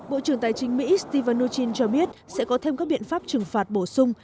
bộ trưởng tài chính mỹ stephen mnuchin cho biết sẽ có thêm các biện pháp trừng phạt bổ sung